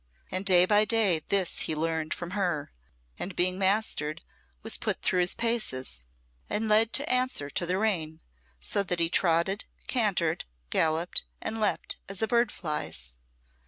And day by day this he learned from her, and being mastered, was put through his paces, and led to answer to the rein, so that he trotted, cantered, galloped, and leaped as a bird flies.